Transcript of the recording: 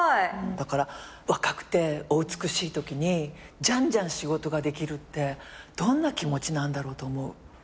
だから若くてお美しいときにじゃんじゃん仕事ができるってどんな気持ちなんだろうと思う。